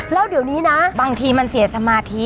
แล้วเดี๋ยวนี้นะบางทีมันเสียสมาธิ